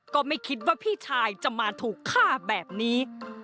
ก็ไม่คิดว่าพี่ชายจะมาถูกฆ่าแบบนี้